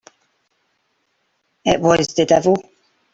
It was the devil!